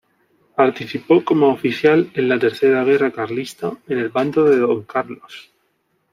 Participó como oficial en la tercera guerra carlista en el bando de Don Carlos.